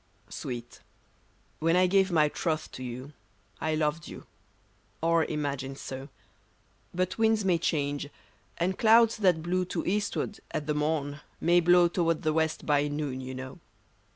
WEET, when I gave my iroth to you I loved you — or imagined so ; But winds may change, and clouds that blew To Eastward at the morn, may blow Toward the West, by noon, you know.